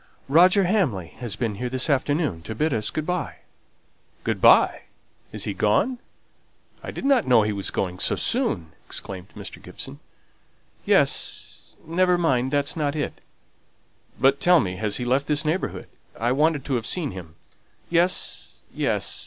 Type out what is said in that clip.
"Roger Hamley has been here this afternoon to bid us good by." "Good by! Is he gone? I didn't know he was going so soon!" exclaimed Mr. Gibson. "Yes: never mind, that's not it." "But tell me; has he left this neighbourhood? I wanted to have seen him." "Yes, yes.